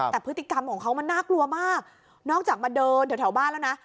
แต่พฤติกรรมของเขามันน่ากลัวมากนอกจากมาเดินแถวบ้านแล้วนะ